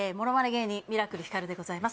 芸人ミラクルひかるでございます